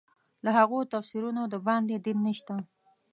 له هغو تفسیرونو د باندې دین نشته.